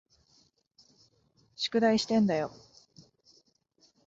宿題してんだよ。